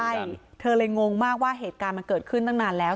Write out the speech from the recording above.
ใช่เธอเลยงงมากว่าเหตุการณ์มันเกิดขึ้นตั้งนานแล้ว